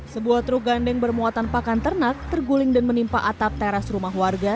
sebuah truk gandeng bermuatan pakan ternak terguling dan menimpa atap teras rumah warga